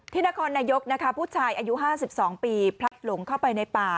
นครนายกนะคะผู้ชายอายุ๕๒ปีพลัดหลงเข้าไปในป่า